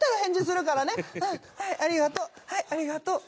はいありがとう。